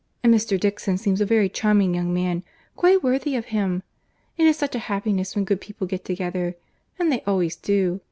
And Mr. Dixon seems a very charming young man, quite worthy of him. It is such a happiness when good people get together—and they always do.